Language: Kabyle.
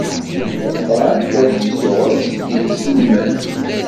Leqran d adlis uɣris n yimselmen.